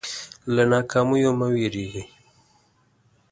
له ناکامیو مه وېرېږئ.